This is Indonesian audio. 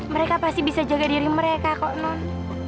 mereka pasti bisa jaga diri mereka kok non